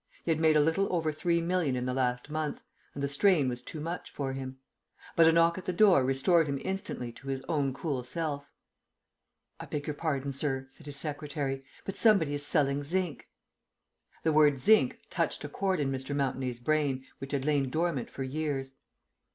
He had made a little over three million in the last month, and the strain was too much for him. But a knock at the door restored him instantly to his own cool self. "I beg your pardon, sir," said his secretary, "but somebody is selling zinc." The word "zinc" touched a chord in Mr. Mountenay's brain which had lain dormant for years.